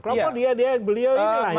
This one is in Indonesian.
kelompok beliau ini lah yang terjun